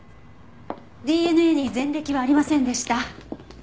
ＤＮＡに前歴はありませんでした。